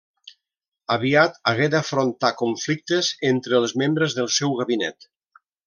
Aviat hagué d'afrontar conflictes entre els membres del seu gabinet.